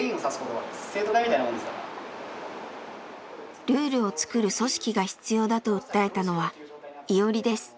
ルールを作る組織が必要だと訴えたのはイオリです。